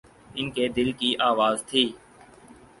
ان کے دل کی آواز تھی۔